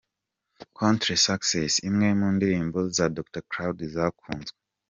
Contre succes, imwe mu ndirimbo za Dr Claude zakunzwe.